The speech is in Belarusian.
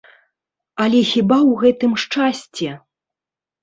Але хіба ў гэтым шчасце?